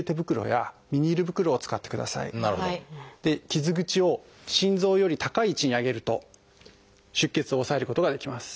傷口を心臓より高い位置に上げると出血を抑えることができます。